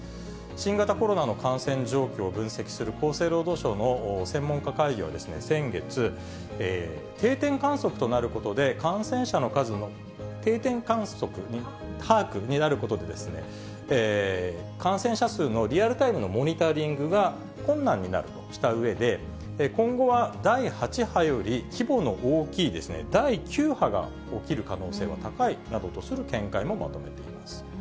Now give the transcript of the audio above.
新型コロナの感染状況を分析する厚生労働省の専門家会議は先月、定点観測となることで、感染者の数の定点把握になることで、感染者数のリアルタイムのモニタリングが困難になるとしたうえで、今後は第８波より規模の大きい、第９波が起きる可能性は高いなどとする見解もまとめています。